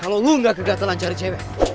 kalau lo gak kegatelan cari cewek